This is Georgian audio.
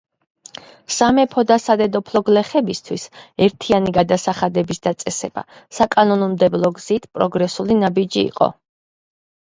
სამეფო და სადედოფლო გლეხებისათვის ერთიანი გადასახადების დაწესება საკანონმდებლო გზით პროგრესული ნაბიჯი იყო.